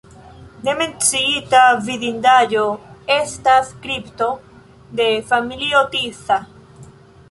Ne menciita vidindaĵo estas kripto de familio Tisza.